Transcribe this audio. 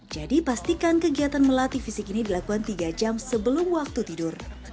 jadi pastikan kegiatan melatih fisik ini dilakukan tiga jam sebelum waktu tidur